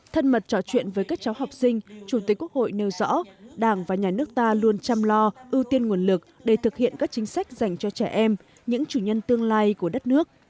thân mật trò chuyện với các cháu học sinh chủ tịch quốc hội nêu rõ đảng và nhà nước ta luôn chăm lo ưu tiên nguồn lực để thực hiện các chính sách dành cho trẻ em những chủ nhân tương lai của đất nước